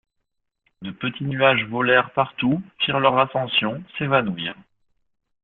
De petits nuages volèrent partout, firent leur ascension, s'évanouirent.